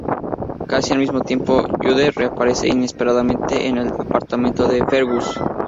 Casi al mismo tiempo, Jude reaparece inesperadamente en el apartamento de Fergus.